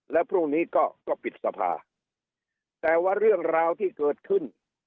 แล้วพรุ่งนี้ก็ก็ปิดสภาแต่ว่าเรื่องราวที่เกิดขึ้น